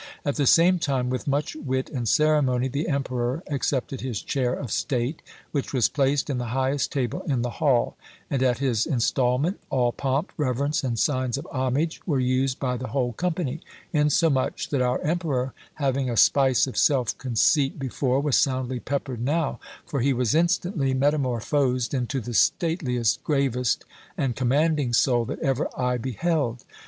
At the same time, with much wit and ceremony, the emperor accepted his chair of state, which was placed in the highest table in the hall; and at his instalment all pomp, reverence, and signs of homage were used by the whole company; insomuch that our emperor, having a spice of self conceit before, was soundly peppered now, for he was instantly metamorphosed into the stateliest, gravest, and commanding soul that ever eye beheld.